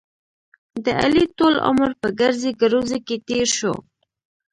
د علي ټول عمر په ګړزې ګړوزې کې تېر شو.